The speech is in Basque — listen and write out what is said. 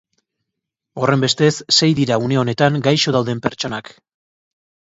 Horrenbestez, sei dira une honetan gaixo dauden pertsonak.